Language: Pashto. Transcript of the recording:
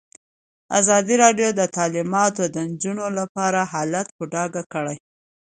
ازادي راډیو د تعلیمات د نجونو لپاره حالت په ډاګه کړی.